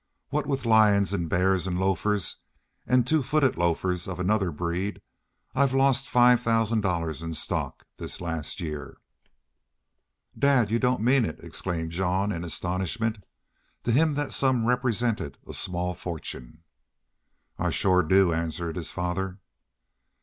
"What with lions an' bears an' lofers an' two footed lofers of another breed I've lost five thousand dollars in stock this last year." "Dad! You don't mean it!" exclaimed Jean, in astonishment. To him that sum represented a small fortune. "I shore do," answered his father.